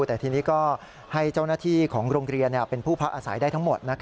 แต่ทีนี้ก็ให้เจ้าหน้าที่ของโรงเรียนเป็นผู้พักอาศัยได้ทั้งหมด